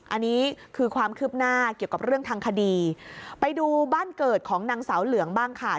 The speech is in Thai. อันนี้คือความคืบหน้าเกี่ยวกับเรื่องทางคดีไปดูบ้านเกิดของนางสาวเหลืองบ้างค่ะ